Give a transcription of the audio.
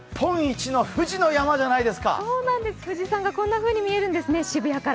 富士山がこんなふうに見えるんですね、渋谷から。